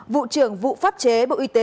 vụ trưởng vụ pháp chế bộ y tế